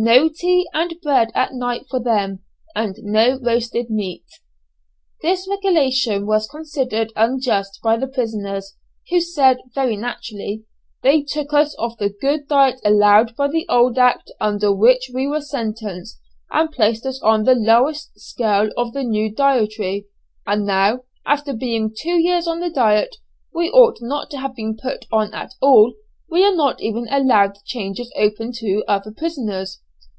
No tea and bread at night for them, and no roasted meat. This regulation was considered unjust by the prisoners, who said, very naturally, "They took us off the good diet allowed by the old Act under which we were sentenced, and placed us on the lowest scale of the new dietary, and now, after being two years on the diet we ought not to have been put on at all, we are not even allowed the changes open to other prisoners.